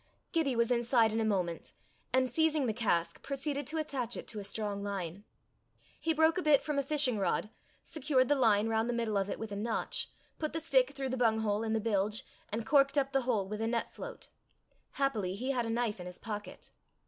Gibbie was inside in a moment, and seizing the cask, proceeded to attach to it a strong line. He broke a bit from a fishing rod, secured the line round the middle of it with a notch, put the stick through the bunghole in the bilge, and corked up the hole with a net float. Happily he had a knife in his pocket.